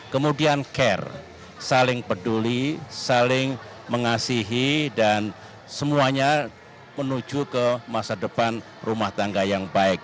kemudian care saling peduli saling mengasihi dan semuanya menuju ke masa depan rumah tangga yang baik